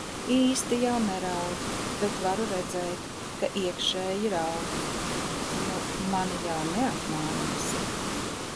Īsti jau neraud, bet varu redzēt, ka iekšēji raud. Nu mani jau neapmānīsi.